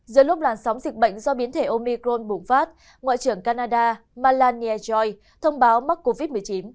giữa lúc làn sóng dịch bệnh do biến thể omicron bùng phát ngoại trưởng canada malan niejai thông báo mắc covid một mươi chín